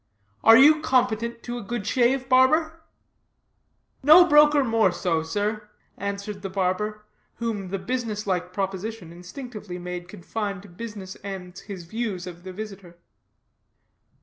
"Are you competent to a good shave, barber?" "No broker more so, sir," answered the barber, whom the business like proposition instinctively made confine to business ends his views of the visitor.